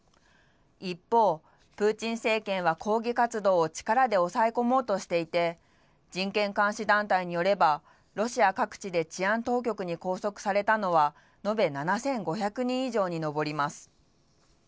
一方、プーチン政権は抗議活動を力で抑え込もうとしていて、人権監視団体によれば、ロシア各地で治安当局に拘束されたのは、延べ７５００人以上に上ります。